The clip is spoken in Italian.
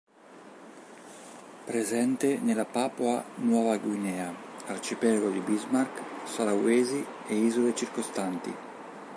Presente nella Papua Nuova Guinea, arcipelago di Bismarck, Sulawesi e isole circostanti.